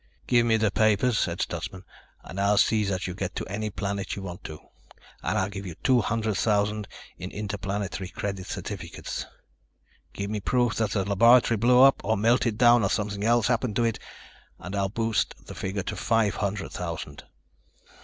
"Give me the papers," said Stutsman, "and I'll see that you get to any planet you want to. And I'll give you two hundred thousand in Interplanetary Credit certificates. Give me proof that the laboratory blew up or melted down or something else happened to it and I'll boost the figure to five hundred thousand."